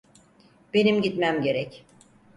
Benim gitmem gerek.